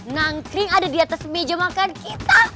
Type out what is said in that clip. ngangkring ada di atas meja makan kita